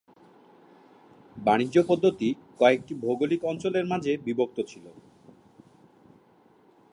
বাণিজ্য পদ্ধতি কয়েকটি ভৌগোলিক অঞ্চলের মাঝে বিভক্ত ছিল।